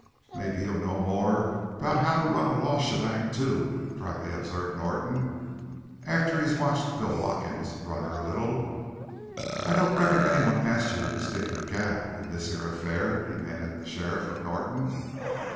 "Mebbe he'll know more about how to run a law shebang, too," dryly observed Norton, "after he's watched Bill Watkins run her a little." "I don't reckon anyone ast you to stick your gab in this here affair?" demanded the sheriff of Norton.